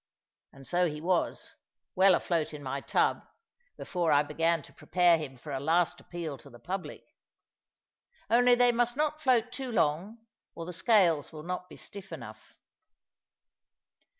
And so he was, well afloat in my tub, before I began to prepare him for a last appeal to the public. Only they must not float too long, or the scales will not be stiff enough.